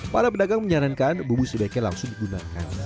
para pedagang menyarankan bumbu sebaiknya langsung digunakan